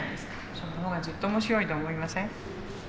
その方がずっと面白いと思いません？